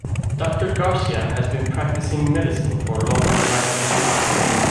Doctor Garcia has been practicing medicine for longer than I have been alive.